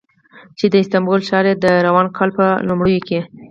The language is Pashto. چې د استانبول ښار یې د روان کال په لومړیو کې